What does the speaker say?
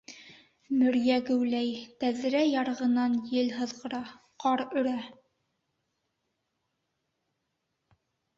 Мөрйә геүләй, тәҙрә ярығынан ел һыҙғыра, ҡар өрә.